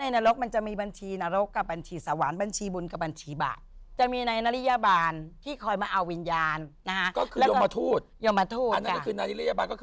อันนั้นฯก็คือนาฬิยบาลยมอย่ามาถูก